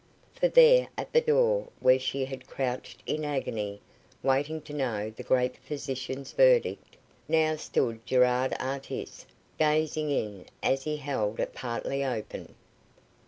For there, at the door where she had crouched in agony, waiting to know the great physician's verdict, now stood Gerard Artis, gazing in as he held it partly open.